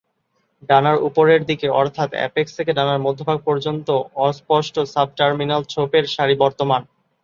ডানার উপরের দিকে অর্থাৎ অ্যাপেক্স থেকে ডানার মধ্যভাগ পর্যন্ত অস্পষ্ট সাবটার্মিনাল ছোপের সারি বর্তমান।